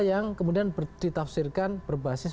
yang kemudian ditafsirkan berbasis